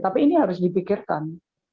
tapi ini harus dipikirkan